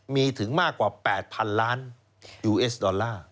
มีถึงมากกว่า๘๐๐๐ล้านยูเอสดอลลาร์